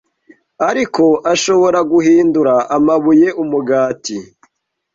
Ariko ashobora guhindura amabuye umugati